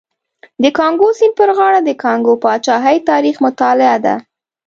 د کانګو سیند پر غاړه د کانګو پاچاهۍ تاریخ مطالعه ده.